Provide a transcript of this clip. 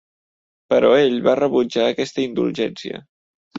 Però ell va rebutjar aquesta indulgència.